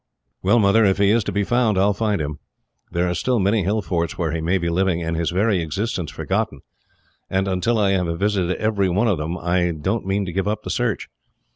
"Well, Mother, if he is to be found I will find him. There are still many hill forts where he may be living, and his very existence forgotten, and until I have visited every one of them, I don't mean to give up the search.